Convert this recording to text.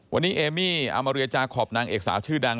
วันนี้เอมี่อามาเรียจาคอปนางเอกสาวชื่อดัง